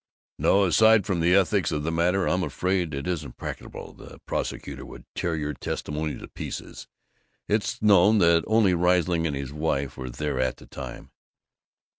"No. Aside from the ethics of the matter, I'm afraid it isn't practicable. The prosecutor would tear your testimony to pieces. It's known that only Riesling and his wife were there at the time."